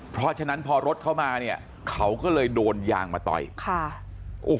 เพราะฉะนั้นพอรถเข้ามาเนี่ยเขาก็เลยโดนยางมาต่อยค่ะโอ้โห